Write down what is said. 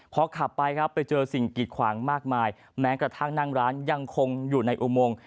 พอขับไปครับไปเจอสิ่งกิดขวางมากมายแม้กระทั่งนั่งร้านยังคงอยู่ในอุโมง